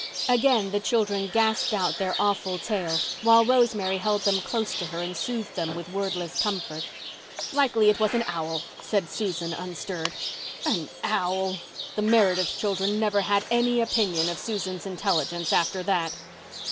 Again the children gasped out their awful tale, while Rosemary held them close to her and soothed them with wordless comfort. "Likely it was an owl," said Susan, unstirred. An owl! The Meredith children never had any opinion of Susan's intelligence after that!